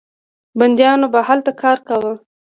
بندیانو به هلته کار کاوه.